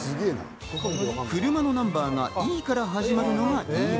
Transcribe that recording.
車のナンバーがＥから始まるのはＥＶ。